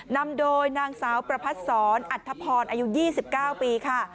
นำโดยนางสาวประพัดศรอัธพรอายุ๒๙ปีค่ะ